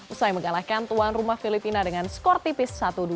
usai mengalahkan tuan rumah filipina dengan skor tipis satu dua